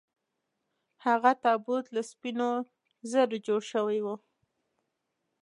هغه تابوت له سپینو زرو جوړ شوی و.